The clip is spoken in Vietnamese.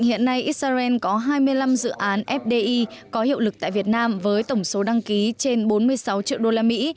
hiện nay israel có hai mươi năm dự án fdi có hiệu lực tại việt nam với tổng số đăng ký trên bốn mươi sáu triệu đô la mỹ